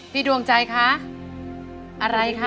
ดวงใจคะอะไรคะ